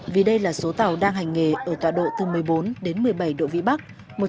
vì đây là số tàu đang hành nghề ở tọa độ từ một mươi bốn đến một mươi bảy độ vĩ bắc